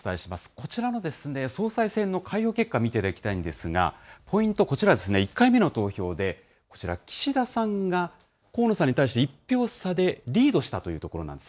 こちらのですね、総裁選の開票結果、見ていただきたいんですが、ポイント、こちらですね、１回目の投票でこちら、岸田さんが河野さんに対して、１票差でリードしたというところなんです。